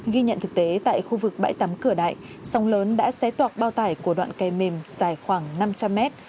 ghi nhận thực tế tại khu vực bãi tắm cửa đại sóng lớn đã xé toác bao tải của đoạn kè mềm dài khoảng năm trăm linh mét